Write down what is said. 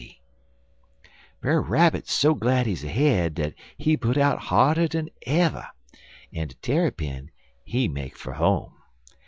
"Brer Rabbit so glad he's ahead dat he put out harder dan ever, en de Tarrypin, he make fer home.